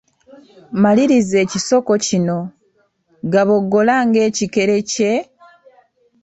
Maliriza ekisoko kino: Gaboggola ng'ekikere kye …….